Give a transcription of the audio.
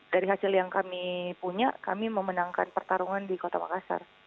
dari hasil yang kami punya kami memenangkan pertarungan di kota makassar